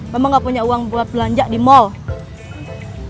memang nggak punya uang buat belanja di mall